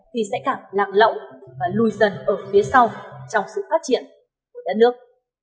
khi sẽ càng lạc lẫu và lùi dần ở phía sau trong sự phát triển của đất nước